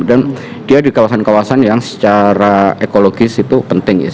dan dia di kawasan kawasan yang secara ekologis itu penting